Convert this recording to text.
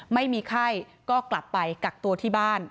ไม่มีไข้ก็กลับไปกักตัวที่บ้าน